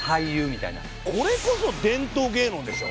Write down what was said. これこそ伝統芸能でしょ。